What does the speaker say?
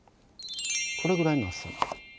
これぐらいの厚さ。